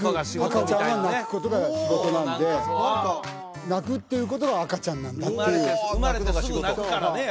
赤ちゃんは泣くことが仕事なんで泣くっていうことが赤ちゃんなんだっていう生まれてすぐ泣くからね